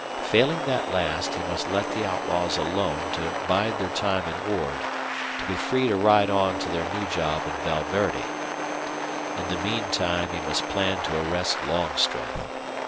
Failing that last, he must let the outlaws alone to bide their time in Ord, to be free to ride on to their new job in Val Verde. In the mean time he must plan to arrest Longstreth.